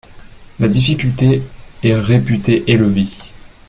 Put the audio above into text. La difficulté est réputée élevée.